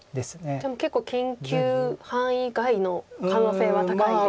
じゃあもう結構研究範囲外の可能性は高いですか。